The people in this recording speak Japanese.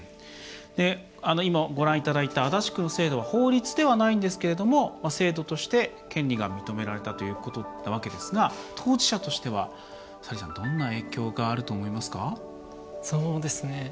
今、ご覧いただいた足立区の制度は法律ではないんですが制度として、権利が認められたというわけですが当事者としては、サリーさんどんな影響があると思いますか？